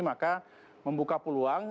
maka membuka peluang